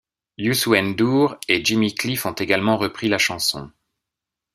Youssou N'Dour et Jimmy Cliff ont également repris la chanson.